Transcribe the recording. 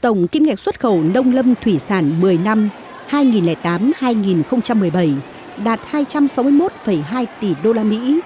tổng kim ngạch xuất khẩu nông lâm thủy sản một mươi năm hai nghìn tám hai nghìn một mươi bảy đạt hai trăm sáu mươi một hai tỷ đô la mỹ